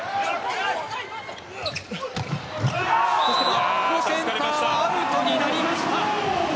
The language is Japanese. バックセンターアウトになりました。